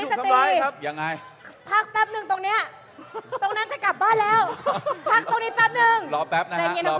ตรงนั้นจะกลับบ้านแล้ว